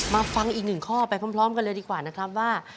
มาฟังอีกหนึ่งข้อไปพร้อมกันเลยดีกว่านะครับว่า